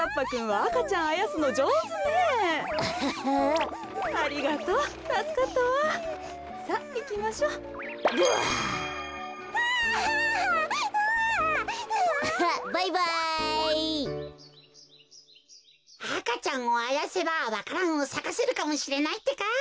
赤ちゃんをあやせばわか蘭をさかせるかもしれないってか。